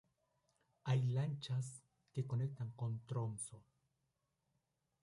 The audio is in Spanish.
Hay lanchas que conectan con Tromsø.